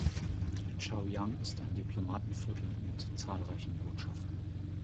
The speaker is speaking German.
Chaoyang ist ein Diplomatenviertel mit zahlreichen Botschaften.